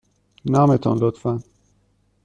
نام تان، لطفاً.